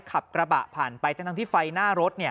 ขับกระบะผ่านไปจนทั้งที่ไฟหน้ารถ